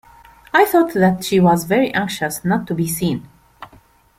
I thought that she was very anxious not to be seen.